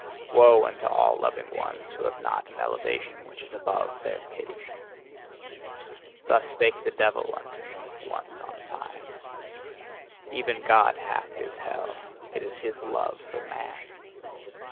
Woe unto all loving ones who have not an elevation which is above their pity! Thus spake the devil unto me, once on a time: "Even God hath his hell: it is his love for man."